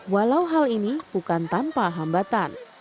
walau hal ini bukan tanpa hambatan